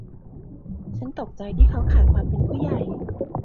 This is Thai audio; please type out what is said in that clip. ฉันตกใจที่เขาขาดความเป็นผู้ใหญ่